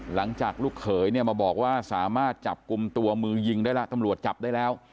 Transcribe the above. หลังจากลูกเขยเนี่ยมาบอกว่าสามารถจับกลุ่มตัวมือยิงได้แล้วตำรวจจับได้แล้ว